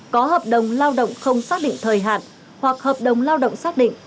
có hợp đồng lao động không xác định thời hạn hoặc hợp đồng lao động xác định